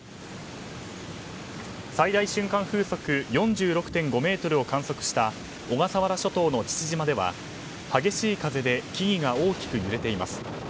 最大瞬間風速４６．５メートルを観測した小笠原諸島の父島では激しい風で木々が大きく揺れています。